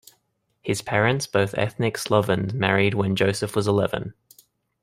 His parents, both ethnic Slovenes, married when Josef was eleven.